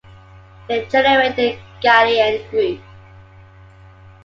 They generate the Galilean group.